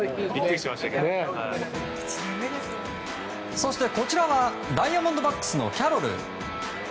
そして、こちらはダイヤモンドバックスのキャロル。